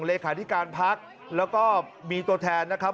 เลขาธิการพักแล้วก็มีตัวแทนนะครับ